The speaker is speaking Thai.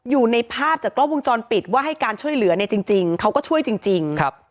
อยู่ในภาพจากกล้องวงจรปิดว่าให้การช่วยเหลือเนี่ยจริงเขาก็ช่วยจริง